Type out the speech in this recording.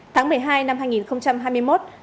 tháng một mươi hai năm hai nghìn hai mươi một